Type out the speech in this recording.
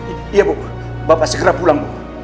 iya bu bapak segera pulang bu